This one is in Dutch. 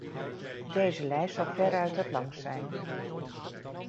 Deze lijst zal veruit het langst zijn.